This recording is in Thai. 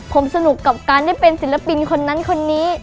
ผมสนุกกับการได้เป็นศิลปินคนนั้นคนนี้